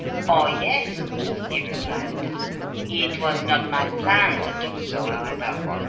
"Oh, yes," he replied. "It was not my plan to do so, however.